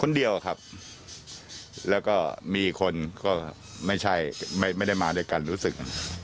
คนเดียวครับแล้วก็มีคนก็ไม่ใช่ไม่ได้มาด้วยกันรู้สึก